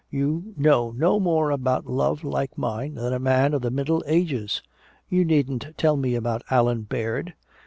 You know no more about love like mine than a nun of the middle ages! You needn't tell me about Allan Baird.